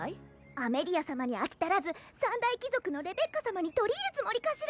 アメリア様に飽き足らず三大貴族のレベッカ様に取り入るつもりかしら